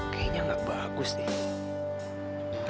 kayaknya gak bagus deh